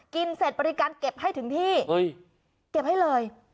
เสร็จบริการเก็บให้ถึงที่เก็บให้เลย